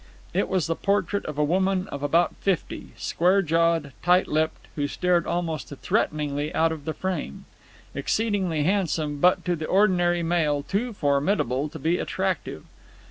It was the portrait of a woman of about fifty, square jawed, tight lipped, who stared almost threateningly out of the frame; exceedingly handsome, but, to the ordinary male, too formidable to be attractive.